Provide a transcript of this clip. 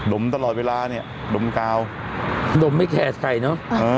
ดมตลอดเวลาเนี้ยดมกาวดมไม่แค่ใส่เนอะเออ